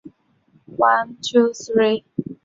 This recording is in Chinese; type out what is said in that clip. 诺盖语是一个俄罗斯西南部的突厥语言。